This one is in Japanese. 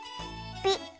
ピッ。